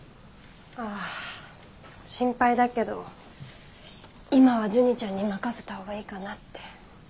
あぁ心配だけど今はジュニちゃんに任せた方がいいかなって。